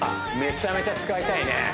めちゃめちゃ使いたいね